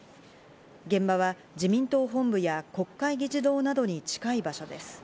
現場は自民党本部や国会議事堂などに近い場所です。